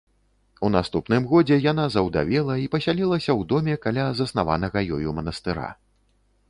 У наступным годзе яна заўдавела і пасялілася ў доме каля заснаванага ёю манастыра.